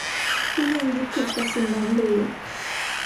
คุณยังยึดติดกับสิ่งนั้นหรือ